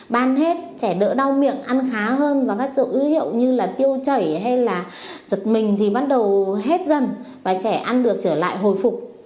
ban hết trẻ đỡ đau miệng ăn khá hơn và bắt giữ hiệu như là tiêu chảy hay là giật mình thì bắt đầu hết dần và trẻ ăn được trở lại hồi phục